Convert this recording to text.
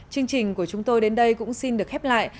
chương trình của chúng tôi đến đây cũng xin được khép lại